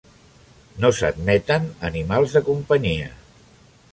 No s'admeten animals de companyia.